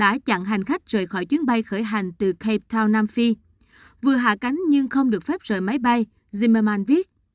và các hành khách rời khỏi chuyến bay khởi hành từ cape town nam phi vừa hạ cánh nhưng không được phép rời máy bay zimmermann viết